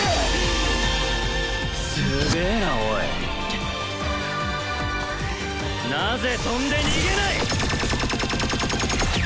すげーなおいなぜ飛んで逃げない？